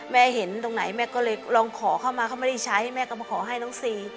เห็นตรงไหนแม่ก็เลยลองขอเข้ามาเขาไม่ได้ใช้แม่ก็มาขอให้น้องซี